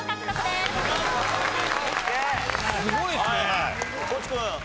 すごいですね！